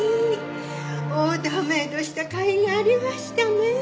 オーダーメイドした甲斐がありましたねえ。